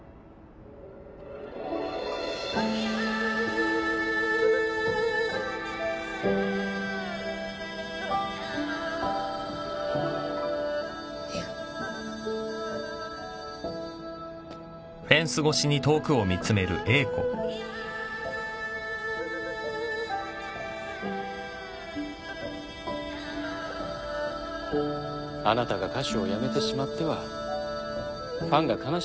あなたが歌手をやめてしまってはファンが悲しむでしょう。